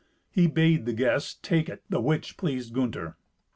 He bade the guests take it, the which pleased Gunther.